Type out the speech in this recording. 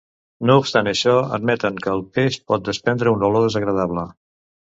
No obstant això, admeten que el peix pot desprendre una olor desagradable.